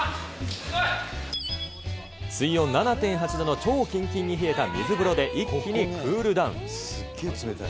すごい。水温７．８度の超きんきんに冷えた水風呂で、一気にクールダウン。